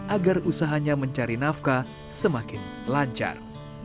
agar usahanya mencari nafkah semakin lancar